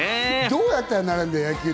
どうやったらなれるんだよ。